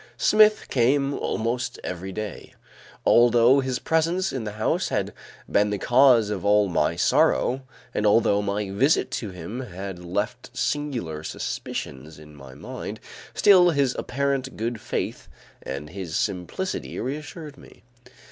Smith came almost every day. Although his presence in the house had been the cause of all my sorrow, and although my visit to him had left singular suspicions in my mind, still his apparent good faith and his simplicity reassured me.